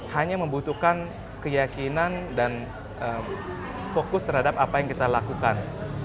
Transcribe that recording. hanya membutuhkan keyakinan dan fokus terhadap apa yang kita lakukan